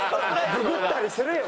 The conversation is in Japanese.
ググったりするよ！